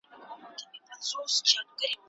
سیاسي کړۍ د خپلو ګټو لپاره وضعیت خوندی ساتي.